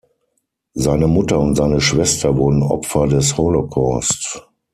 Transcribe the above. Seine Mutter und seine Schwester wurden Opfer des Holocaust.